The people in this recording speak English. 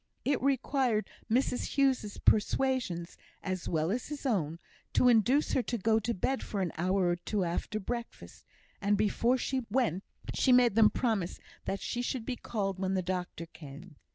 It required Mrs Hughes's persuasions, as well as his own, to induce her to go to bed for an hour or two after breakfast; and, before she went, she made them promise that she should be called when the doctor came.